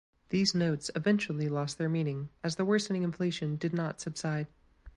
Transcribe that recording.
These notes eventually lost their meaning as the worsening inflation did not subside.